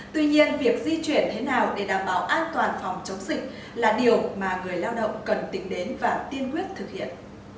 tuy nhiên việc di chuyển thế nào để đảm bảo an toàn phòng chống dịch là điều mà người lao động cần tính đến và tiên quyết thực hiện